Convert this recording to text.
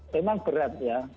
memang berat ya